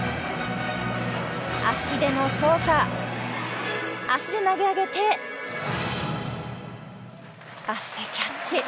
足でも操作、足で投げ上げて足でキャッチ。